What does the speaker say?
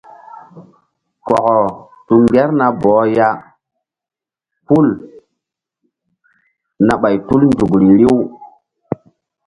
Kɔkɔ tu ŋgerna bɔh ya hul na ɓay tul nzukri riw.